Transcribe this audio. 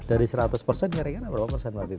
dari seratus nyaringan berapa persen mbak vivi